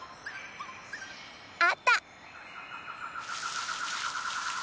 あった！